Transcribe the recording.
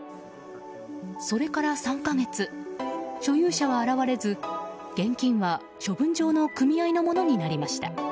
それから３か月、所有者は現れず現金は処分場の組合のものになりました。